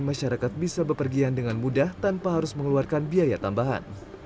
masyarakat bisa berpergian dengan mudah tanpa harus mengeluarkan biaya tambahan